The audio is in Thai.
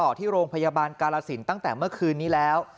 ที่โรงพยาบาลกาลสินตั้งแต่เมื่อคืนนี้แล้ว